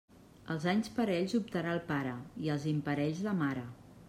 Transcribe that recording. Els anys parells optarà el pare i els imparells la mare.